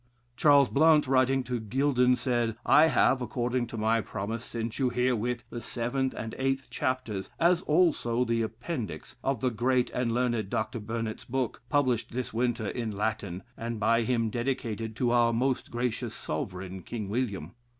Charles Blount, writing to Gildon, says, "I have, according to my promise, sent you herewith the seventh and eighth chapters, as also the appendix, of the great and learned Dr. Burnet's book, published this winter in Latin, and by him dedicated to our most gracious Sovereign, King William.....